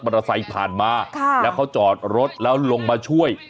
ภายผ่านมาแล้วเขาจอดรถแล้วลงมาช่วย